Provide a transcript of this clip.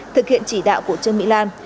thực hiện chỉ đạo của chương mỹ lan